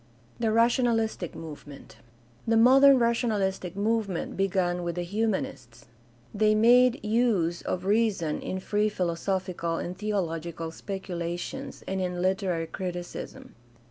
The rationalistic movement. — The modern rationalistic movement began with the Humanists. They made use of reason in free philosophical and theological speculations and in literary criticism.